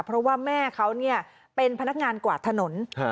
เพราะว่าแม่เขาเนี่ยเป็นพนักงานกวาดถนน